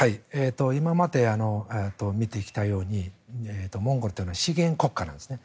今まで見てきたようにモンゴルというのは資源国家なんですね。